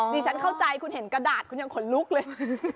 ดิฉันเข้าใจคุณเห็นกระดาษคุณยังขนลุกเลย